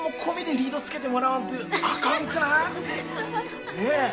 リードつけてもらわんとあかんくない？ねえ。